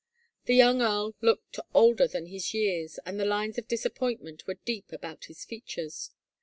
The young earl looked older than his years and the lines of disappoint ment were deep about his features.